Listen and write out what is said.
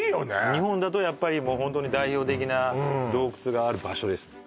日本だとやっぱりもうホントに代表的な洞窟がある場所ですね